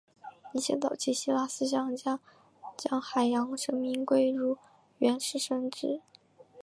一些早期的希腊思想家将海洋神明归入原始神只。